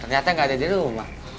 ternyata nggak ada di rumah